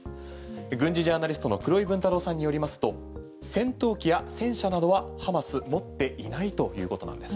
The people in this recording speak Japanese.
軍事ジャーナリストの黒井文太郎さんによりますと戦闘機や戦車などはハマス持っていないということなんです。